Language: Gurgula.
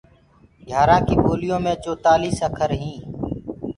گھياٚرآن ڪي ٻوليو مي چوتآݪيٚس اکر هينٚ۔